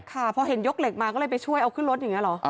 ค่ะพอเห็นยกเหล็กมาก็เลยไปช่วยเอาขึ้นรถอย่างนี้เหรอ